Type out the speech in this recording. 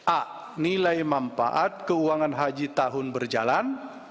a nilai manfaat keuangan haji tahun berjalan